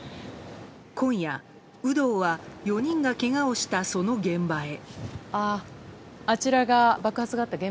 今夜、有働は４人がけがをしたその現場へ。